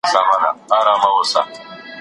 شاګرد باید په څېړنه کي له نوښت څخه کار واخلي.